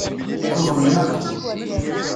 Tuḍnem akk.